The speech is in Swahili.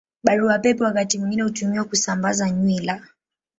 Barua Pepe wakati mwingine hutumiwa kusambaza nywila.